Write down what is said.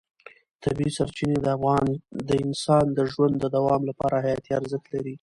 طبیعي سرچینې د انسان د ژوند د دوام لپاره حیاتي ارزښت لري.